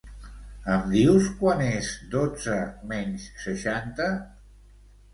Em dius quant és dotze menys seixanta?